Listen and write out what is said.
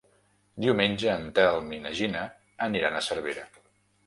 Diumenge en Telm i na Gina aniran a Cervera.